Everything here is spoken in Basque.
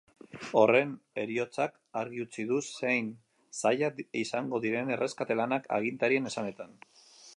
Horren heriotzak argi utzi du zein zailak izango diren erreskate-lanak, agintarien esanetan.